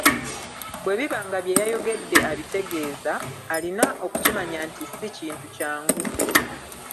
Bwe biba nga bye yayogedde abitegeeza, alina okukimanya nti si kintu kyangu.